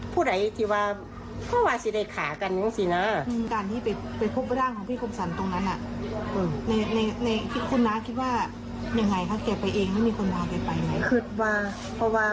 ในที่คุณน้าก็คิดว่า